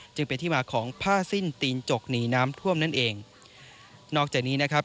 จึงเป็นที่มาของผ้าสิ้นตีนจกหนีน้ำท่วมนั่นเองนอกจากนี้นะครับ